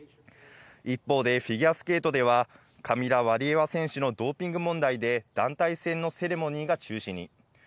一方でフィギュアスケートではカミラ・ワリエワ選手のドーピング問題で団体戦のセレモニーが中止に。